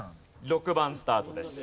６番スタートです。